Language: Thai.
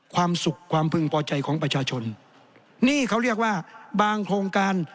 ความสุขความพึงพอใจของประชาชนนี่เขาเรียกว่าบางโครงการ